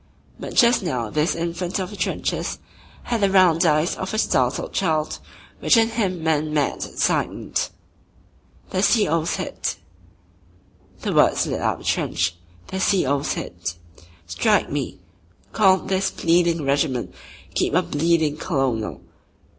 But just now this infant of the trenches had the round eyes of a startled child, which in him meant mad excitement. "The C.O.'s hit." The word slid up the trench: "The C.O.'s hit." "Strike me! Cawn't this bleedin' regiment keep a bleedin' Colonel